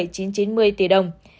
một mươi sáu năm triệu đồng